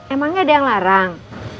emang gak ada yang larang